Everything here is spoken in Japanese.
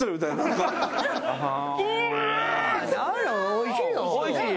おいしいよ。